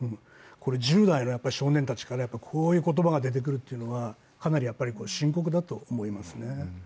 １０代の少年たちからこういう言葉が出てくるというのはかなり深刻だと思いますね。